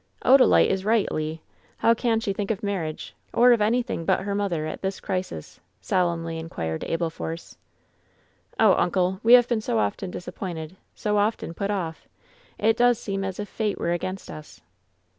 "Odalite is right, Le 1 How can she think of marriage, or of anything but her mother at this crisis?" solemnly inquired Abel Force. "Oh, imcle, we have been so often disappointed, so often put off 1 It does seem as if fate were against us!"